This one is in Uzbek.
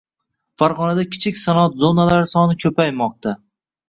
Farg‘onada kichik sanoat zonalari soni ko‘paymoqda